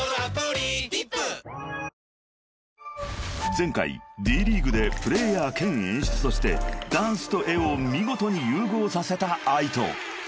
［前回Ｄ．ＬＥＡＧＵＥでプレーヤー兼演出としてダンスと絵を見事に融合させたＡＩＴＯ］